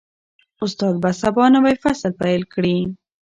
استاد به سبا نوی فصل پیل کړي.